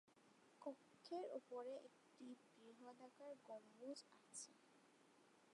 কক্ষের উপরে একটি বৃহদাকার গম্বুজ আছে।